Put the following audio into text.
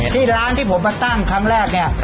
ที่ร้านที่ผมมาตั้งครั้งแรกเนี่ย